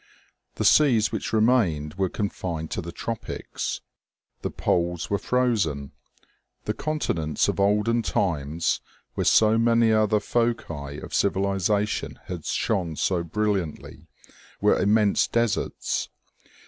The seas which remained were confined to the tropics. The poles were frozen. The continents of olden times, where so many other foci of civilization had shone so brilliantly, were immense des erts.